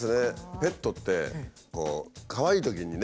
ペットってこうかわいいときにね